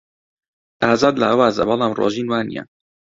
ئازاد لاوازە، بەڵام ڕۆژین وانییە.